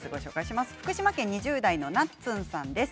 福島県２０代の方からです。